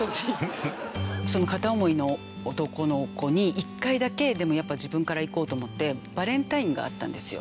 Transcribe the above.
その片思いの男の子に一回だけでもやっぱ自分からいこうと思ってバレンタインがあったんですよ。